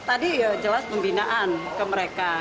tadi ya jelas pembinaan ke mereka